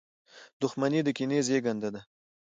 • دښمني د کینې زېږنده ده.